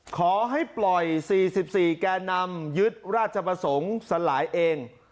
ขอให้ปล่อย๔๔แก่นำยึดราชประสงค์สลายเอง